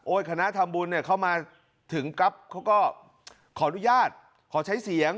โอ้ยคณะธรรมบุญเข้ามาถึงกับเขาก็ขอนุญาตขอใช้เสียง